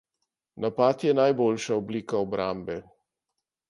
Napad je najboljša oblika obrambe.